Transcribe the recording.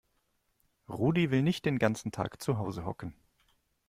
Rudi will nicht den ganzen Tag zu Hause hocken.